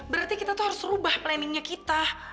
berarti kita tuh harus rubah planningnya kita